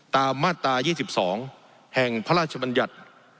ตามมาตรา๒๒แห่งพระราชบัญญัติ